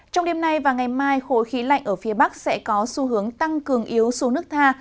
trong đêm nay và ngày mai khối khí lạnh ở phía bắc sẽ có xu hướng tăng cường yếu xuống nước tha